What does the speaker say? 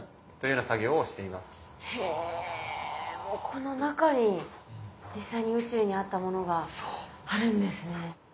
ここの中に実際に宇宙にあったものがあるんですね。